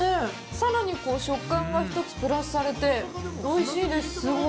さらに食感が１つプラスされておいしいです、すごい。